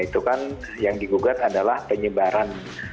itu kan yang digugat adalah penyebaran